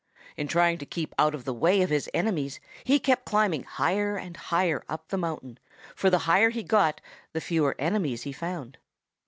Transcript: In trying to keep out of the way of his enemies he kept climbing higher and higher up the mountain, for the higher he got the fewer enemies he found.